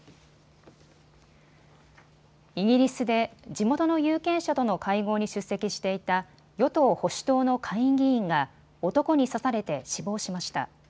イギリスで地元の有権者との会合に出席していた与党保守党の下院議員が男に刺されて死亡しました。